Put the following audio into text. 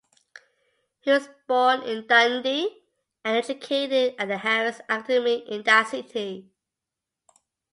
He was born in Dundee and educated at the Harris Academy in that city.